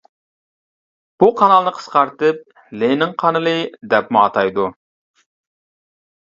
بۇ قانالنى قىسقارتىپ «لېنىن قانىلى» دەپمۇ ئاتايدۇ.